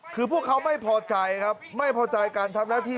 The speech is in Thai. คือพวกเขาไม่พอใจครับไม่พอใจการทำหน้าที่